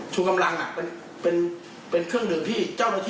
ชูกำลังเป็นเครื่องดื่มที่เจ้าหน้าที่